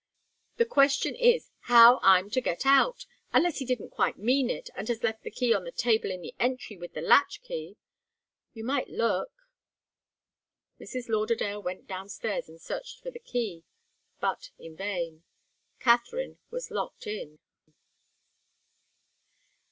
The question is how I'm to get out! Unless he didn't quite mean it, and has left the key on the table in the entry, with the latch key. You might look." Mrs. Lauderdale went downstairs and searched for the key, but in vain. Katharine was locked in.